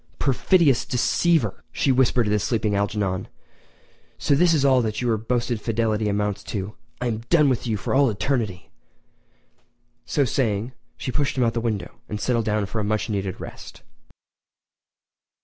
"Perfidious deceiver!" she whispered at the sleeping Algernon, "so this is all that your boasted fidelity amounts to! I am done with you for all eternity!" So saying, she pushed him out the window and settled down for a much needed rest.